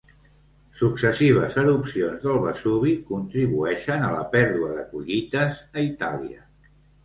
Successives erupcions del Vesuvi contribueixen a la pèrdua de collites a Itàlia.